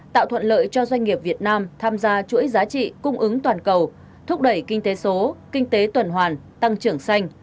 tạo thuận lợi cho doanh nghiệp việt nam tham gia chuỗi giá trị cung ứng toàn cầu thúc đẩy kinh tế số kinh tế tuần hoàn tăng trưởng xanh